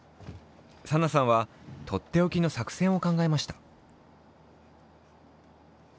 サナさんはとっておきの作戦を考えました。